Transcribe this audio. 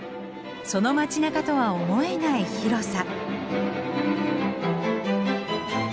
その街なかとは思えない広さ。